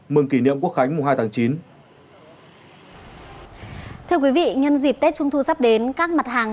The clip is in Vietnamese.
mừng kỷ niệm quốc khánh hai tháng chín